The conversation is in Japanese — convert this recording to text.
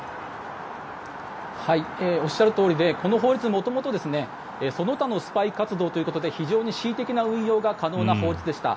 おっしゃるとおりでこの法律元々、その他のスパイ活動ということで非常に恣意的な運用が可能な法律でした。